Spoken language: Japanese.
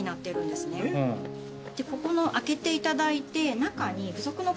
ここの開けていただいて。